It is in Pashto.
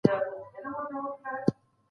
ډیپلوماټیکي اړیکي باید صادقانه وي.